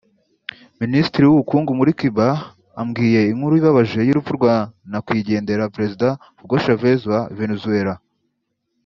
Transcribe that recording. « Minisitiriw’ubukungu muri Cuba ambwiye inkuru ibabaje y’urupfu rwa nakwigendera Perezida Hugo Chavez wa Venezuela… »